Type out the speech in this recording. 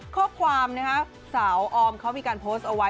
ข้อความนะฮะสาวออมเขามีการโพสต์เอาไว้